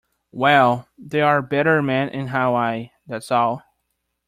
Well, there are better men in Hawaii, that's all.